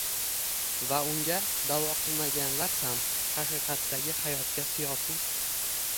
va unga da’vo qilmaganlar ham, “haqiqatdagi hayotga” siyosiy